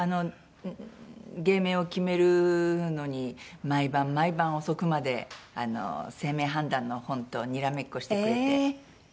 芸名を決めるのに毎晩毎晩遅くまで姓名判断の本とにらめっこしてくれて。